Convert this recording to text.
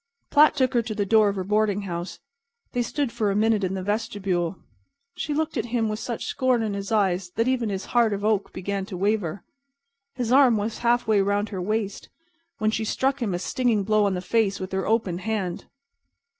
Platt took her to the door of her boarding house. They stood for a minute in the vestibule. She looked at him with such scorn in her eyes that even his heart of oak began to waver. His arm was half way around her waist, when she struck him a stinging blow on the face with her open hand.